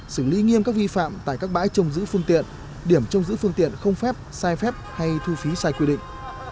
xử lý nghiêm các vi phạm tại các bãi trông giữ phương tiện điểm trông giữ phương tiện không phép sai phép hay thu phí sai quy định